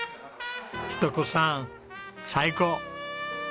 日登子さん最高！